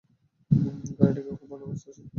ঘড়িটাকে খুব ভালোবাসত সে।